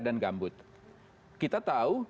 dan gambut kita tahu